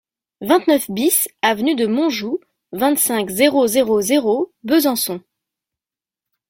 vingt-neuf BIS avenue de Montjoux, vingt-cinq, zéro zéro zéro, Besançon